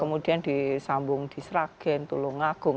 kemudian disambung di sragen tulungagung